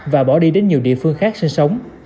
và bỏ đi đến nhiều địa phương khác sinh sống